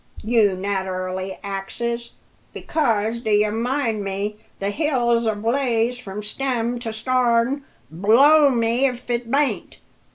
you naterally axes. Because, d'ye mind me, the hill's ablaze from stem to starn blow me if it bain t!